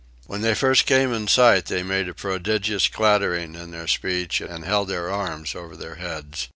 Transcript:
When they first came in sight they made a prodigious clattering in their speech and held their arms over their heads.